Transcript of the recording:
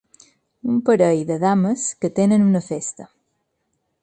Un parell de dames que tenen una festa.